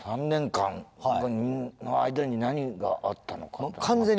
３年間の間に何があったのか全く分かんない。